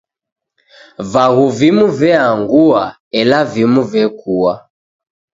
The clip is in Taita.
Vaghu vimu veangua, ela vimu vekua.